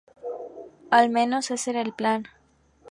Al menos, ese era el plan.